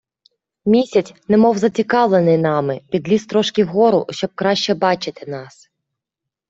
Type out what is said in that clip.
Місяць, немов зацікавлений нами, підліз трошки вгору, щоб краще бачити нас.